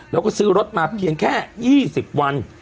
เราก็ซื้อรถมาแค่๒๐วัน